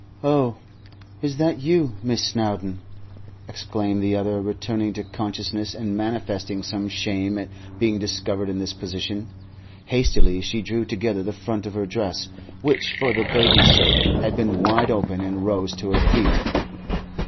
'Oh, is that you, Miss Snowdon!' exclaimed the other, returning to consciousness and manifesting some shame at being discovered in this position. Hastily she drew together the front of her dress, which for the baby's sake had been wide open, and rose to her feet.